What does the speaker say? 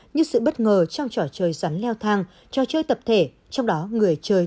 như sự bất ngờ trong trò chơi